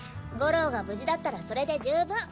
ゴローが無事だったらそれで十分。